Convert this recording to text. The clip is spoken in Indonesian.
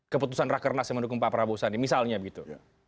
keputusan rakharnas yang mendukung pak prabowo sani misalnya begitu